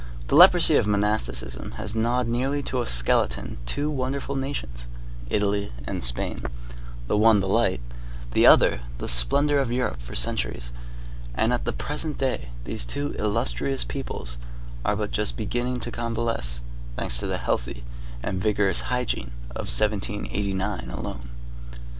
The leprosy of monasticism has gnawed nearly to a skeleton two wonderful nations, Italy and Spain; the one the light, the other the splendor of Europe for centuries; and, at the present day, these two illustrious peoples are but just beginning to convalesce, thanks to the healthy and vigorous hygiene of 1789 alone.